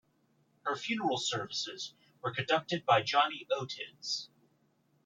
Her funeral services were conducted by Johnny Otis.